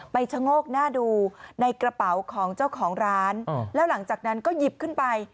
ชะโงกหน้าดูในกระเป๋าของเจ้าของร้านแล้วหลังจากนั้นก็หยิบขึ้นไป